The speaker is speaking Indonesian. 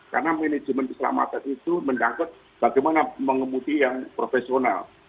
karena manajemen keselamatan itu mendangkat bagaimana mengemudi yang profesional